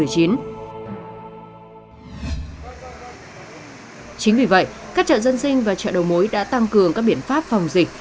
chính vì vậy các chợ dân sinh và chợ đầu mối đã tăng cường các biện pháp phòng dịch